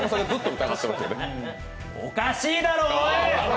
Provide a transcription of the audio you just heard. おかしいだろ、おい！